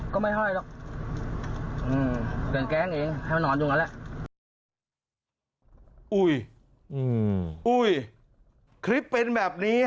ก็ไม่ไห้หรอก